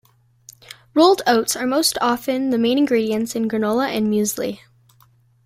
Rolled oats are most often the main ingredient in granola and muesli.